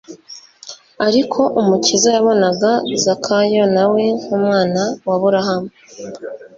ariko Umukiza yabonaga Zakayo na we nk'umwana w'Aburahamu.